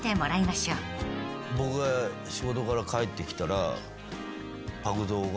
僕が仕事から帰ってきたらパグゾウが。